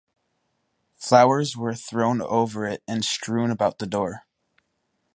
Flowers were thrown over it and strewn about the door.